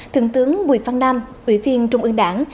thượng tướng bùi văn nam ủy viên trung ương đảng